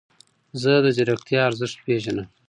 زه د ځیرکتیا ارزښت پیژنم.